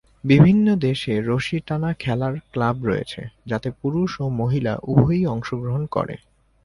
বিভিন্ন দেশে রশি টানা খেলার ক্লাব রয়েছে যাতে পুরুষ ও মহিলা উভয়েই অংশগ্রহণ করে।